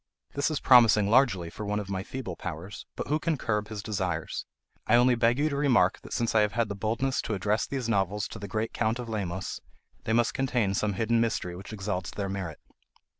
This is promising largely for one of my feeble powers; but who can curb his desires? I only beg you to remark that since I have had the boldness to address these novels to the great Count of Lemos, they must contain some hidden mystery which exalts their merit.